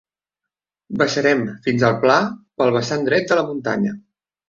Baixarem fins al pla pel vessant dret de la muntanya.